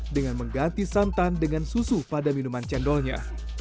dengan mengganti santan dengan susu pada minuman cendolnya